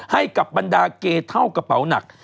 ให้กับบรรดาเกเท่ากระเป๋าหนัก